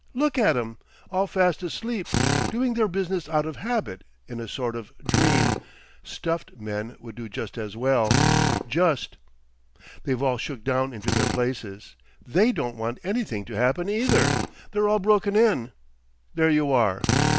Look at 'em! All fast asleep, doing their business out of habit—in a sort of dream, Stuffed men would do just as well—just. They've all shook down into their places. They don't want anything to happen either. They're all broken in. There you are!